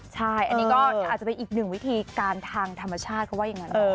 ใช่อันนี้ก็อาจจะเป็นอีกหนึ่งวิธีการทางธรรมชาติเขาว่าอย่างนั้น